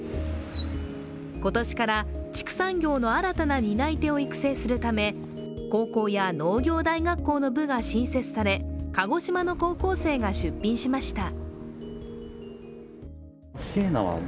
今年から畜産業の新たな担い手を育成するため高校や農業大学校の部が新設され鹿児島の高校生が出品しました。